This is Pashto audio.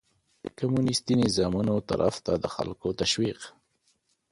د کمونيستي نظامونو طرف ته د خلکو تشويق